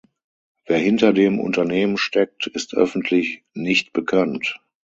Wer hinter dem Unternehmen steckt, ist öffentlich nicht bekannt.